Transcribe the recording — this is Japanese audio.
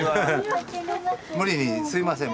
無理にすいません。